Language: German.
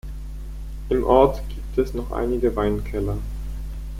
Im Ort gibt es noch einige Weinkeller.